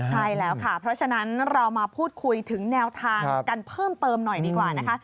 ใช่แล้วค่ะเพราะฉะนั้นเรามาพูดคุยถึงแนวทางกันเพิ่มเติมหน่อยดีกว่านะคะ